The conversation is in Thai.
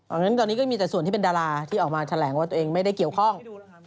เพราะฉะนั้นตอนนี้ก็มีแต่ส่วนที่เป็นดาราที่ออกมาแถลงว่าตัวเองไม่ได้เกี่ยวข้อง